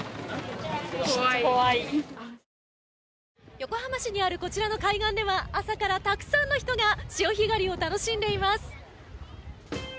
横浜市にあるこちらの海岸では朝からたくさんの人が潮干狩りを楽しんでいます。